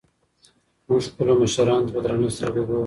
موږ خپلو مشرانو ته په درنه سترګه ګورو.